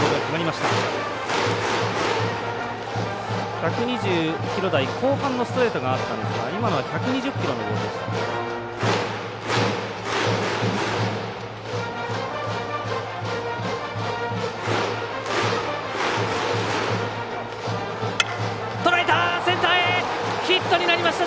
１２０キロ台後半のストレートがあったんですが今のは１２０キロのボールでした。